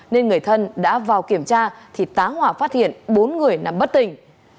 nên người thân đã vào kiểm tra thì tá hỏa phát hiện bốn người nằm bất tỉnh